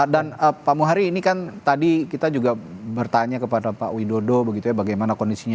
dan pak muhari ini kan tadi kita juga bertanya kepada pak widodo bagaimana kondisinya